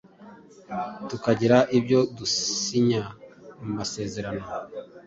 tukagira ibyo dusinya mumasezerano